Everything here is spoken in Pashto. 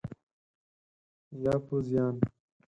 یا په زیان؟